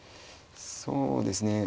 そうですねうん